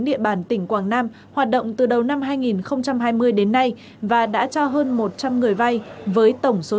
địa bàn tỉnh quảng nam hoạt động từ đầu năm hai nghìn hai mươi đến nay và đã cho hơn một trăm linh người vay với tổng số